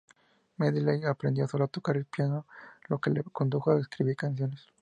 Medley aprendió solo a tocar el piano, lo que le condujo a escribir canciones.